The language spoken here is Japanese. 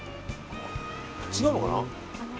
違うのかな？